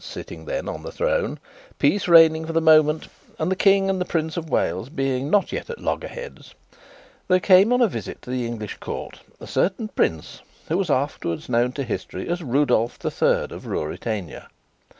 sitting then on the throne, peace reigning for the moment, and the King and the Prince of Wales being not yet at loggerheads, there came on a visit to the English Court a certain prince, who was afterwards known to history as Rudolf the Third of Ruritania.